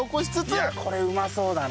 いやこれうまそうだな。